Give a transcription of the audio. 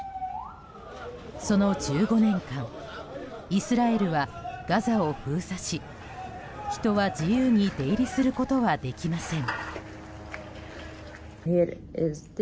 その１５年間イスラエルはガザを封鎖し人は自由に出入りすることはできません。